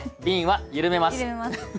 びんはゆるめます。